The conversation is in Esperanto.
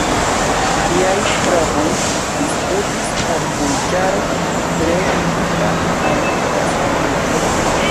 Tiaj provoj disputis kun burĝaro, tre ligita al Kastilio.